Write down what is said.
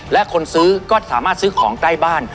และคนซื้อก็สามารถซื้อของใกล้บ้าน